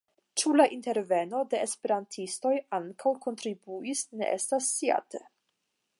Ĉu la interveno de esperantistoj ankaŭ kontribuis, ne estas sciate.